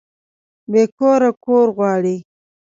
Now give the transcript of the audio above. بې کوره کور غواړي